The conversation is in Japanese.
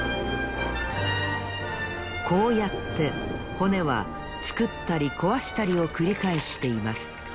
こうやって骨はつくったりこわしたりをくりかえしています。